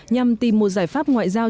nhằm tìm một giải pháp ngoại giao